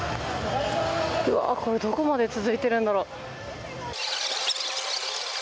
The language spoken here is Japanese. これ、どこまで続いているんだろう。